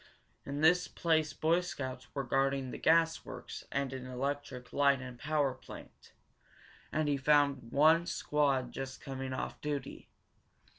In this place Boy Scouts were guarding the gas works and an electric light and power plant, and he found one squad just coming off duty.